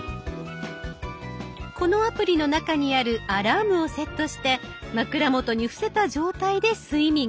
このアプリの中にあるアラームをセットして枕元に伏せた状態で睡眠。